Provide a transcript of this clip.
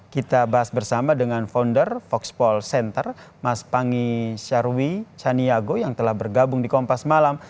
kita bahas bersama dengan founder foxpol center mas pangi syarwi caniago yang telah bergabung di kompas malam